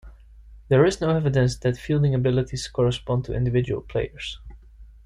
There is no evidence that fielding abilities correspond to individual players.